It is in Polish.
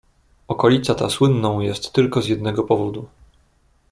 "Okolica ta słynną jest tylko z jednego powodu."